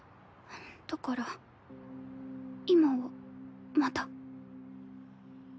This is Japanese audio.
だから今はまだ。